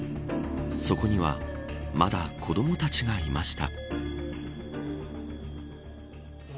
そこにはまだ子どもたちがいました。